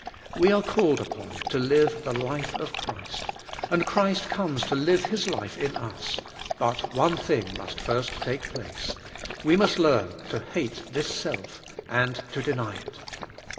We are called upon to live the life of Christ, and Christ comes to live His life in us; but one thing must first take place; we must learn to hate this self, and to deny it.